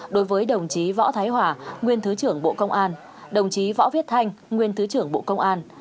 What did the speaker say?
đối với đồng chí võ thái hòa nguyên thứ trưởng bộ công an đồng chí võ viết thanh nguyên thứ trưởng bộ công an